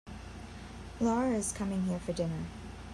Lara is coming here for dinner.